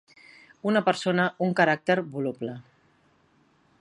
Una persona, un caràcter, voluble.